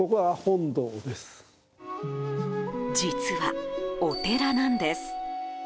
実は、お寺なんです！